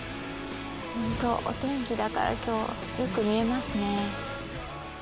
ホントお天気だから今日よく見えますね。